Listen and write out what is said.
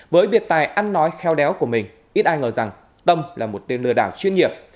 với biệt tài ăn nói khéo léo của mình ít ai ngờ rằng tâm là một tên lừa đảo chuyên nghiệp